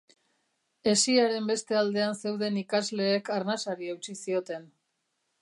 Hesiaren beste aldean zeuden ikasleek arnasari eutsi zioten.